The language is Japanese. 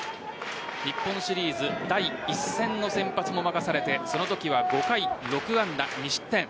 日本シリーズ第１戦の先発も任されてそのときは５回６安打２失点。